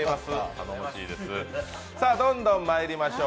どんどんまいりましょう。